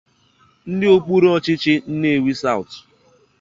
dị n'okpuru ọchịchị 'Nnewi South'